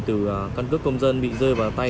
từ căn cước công dân bị rơi vào tay